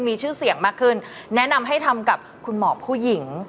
มีชื่อเสียงมากขึ้นแนะนำให้ทำกับคุณหมอผู้หญิง